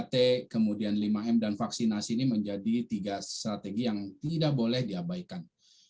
tiga t kemudian lima m dan vaksinasi ini menjadi tiga strategi yang tidak boleh diabaikan